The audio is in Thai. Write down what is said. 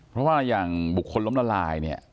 เพราะว่าอย่างบุคคลล้มละลายเนี่ย